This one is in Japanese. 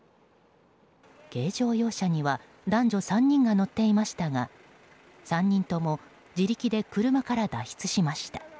軽乗用車には男女３人が乗っていましたが３人とも自力で車から脱出しました。